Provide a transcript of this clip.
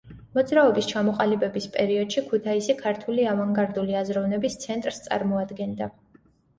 მოძრაობის ჩამოყალიბების პერიოდში ქუთაისი ქართული ავანგარდული აზროვნების ცენტრს წარმოადგენდა.